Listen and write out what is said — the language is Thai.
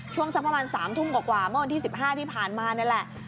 ช่วงสักประมาณสามทุ่มกว่าเมื่อวันที่สิบห้าที่ผ่านมานั่นแหละ